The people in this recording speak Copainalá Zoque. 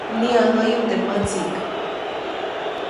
Mniʼäŋäyu teʼ mätsiʼk.